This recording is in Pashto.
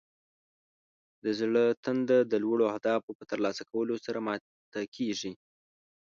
د زړه تنده د لوړو اهدافو په ترلاسه کولو سره ماته کیږي.